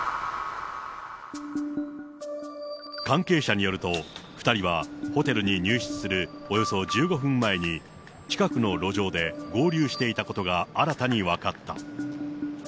関係者によると、２人はホテルに入室するおよそ１５分前に、近くの路上で合流していたことが新たに分かった。